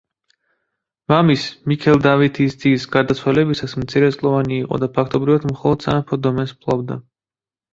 მამის, მიქელ დავითის ძის, გარდაცვალებისას მცირეწლოვანი იყო და ფაქტობრივად მხოლოდ სამეფო დომენს ფლობდა.